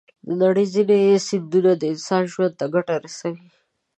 د نړۍ ځینې سیندونه د انسانانو ژوند ته ګټه رسوي.